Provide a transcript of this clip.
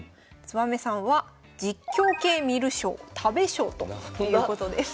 つばめさんは実況系観る将食べ将ということです。